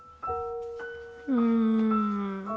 うん。